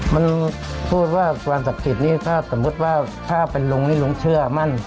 มันพูดว่าความศักดิ์สิทธิ์นี้ถ้าสมมุติว่าถ้าเป็นลุงนี่ลุงเชื่อมั่น